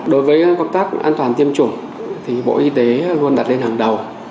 đối với công tác an toàn tiêm chủng thì bộ y tế luôn đặt lên hàng đầu